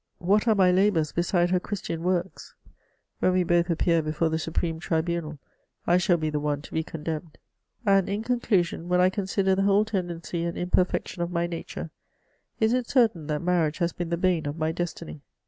What are my labours beside her Christian works ? When we both appear before the supreme tribunal, I shall be the one to be condemned. And, in conclusion, when I consider the whole tendency and imperfection of my nature, is it certain that marriage has been the bane of my destiny